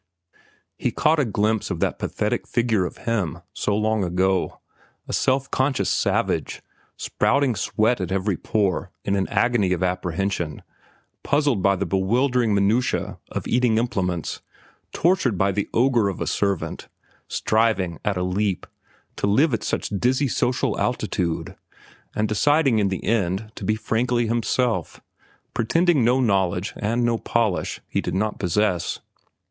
He caught a glimpse of that pathetic figure of him, so long ago, a self conscious savage, sprouting sweat at every pore in an agony of apprehension, puzzled by the bewildering minutiae of eating implements, tortured by the ogre of a servant, striving at a leap to live at such dizzy social altitude, and deciding in the end to be frankly himself, pretending no knowledge and no polish he did not possess.